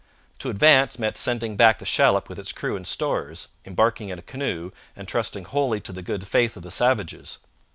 To advance meant sending back the shallop with its crew and stores, embarking in a canoe, and trusting wholly to the good faith of the savages.